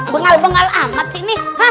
bengal bengal amat sih ini